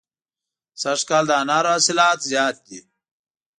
سږ کال د انارو حاصلات زیات دي.